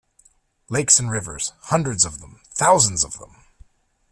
Lakes and rivers, hundreds of them, thousands of them.